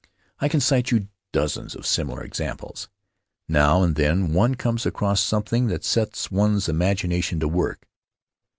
I could cite you dozens of similar examples. Now and then one comes across something that sets one's imagination to work